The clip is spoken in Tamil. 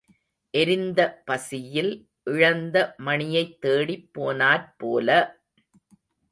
எரிந்த பசியில் இழந்த மணியைத் தேடிப் போனாற் போல.